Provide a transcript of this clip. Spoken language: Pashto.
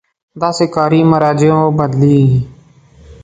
داسې کاري مراجعو بدلېږي.